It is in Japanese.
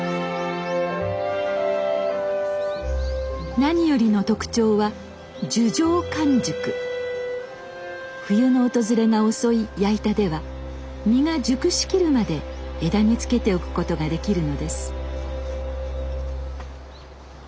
何よりの特徴は冬の訪れが遅い矢板では実が熟しきるまで枝につけておくことができるのです。